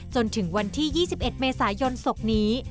จนถึงวันที่๒๑เมษายนศุกร์นี้